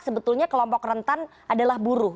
sebetulnya kelompok rentan adalah buruh